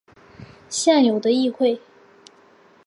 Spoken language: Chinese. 现有的议会。